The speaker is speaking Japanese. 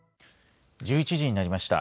１１時になりました。